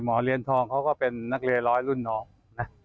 เหรียญทองเขาก็เป็นนักเรียนร้อยรุ่นน้องนะ